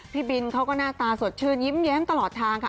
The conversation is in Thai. พี่บินเขาก็หน้าตาสดชื่นยิ้มแย้มตลอดทางค่ะ